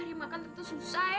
eh lupa aku mau ke rumah